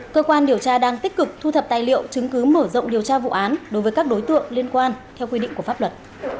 cơ quan điều tra đang tích cực thu thập tài liệu chứng cứ mở rộng điều tra vụ án đối với các đối tượng liên quan theo quy định của pháp luật